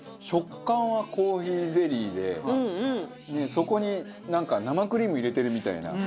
食感はコーヒーゼリーでそこになんか生クリーム入れてるみたいな。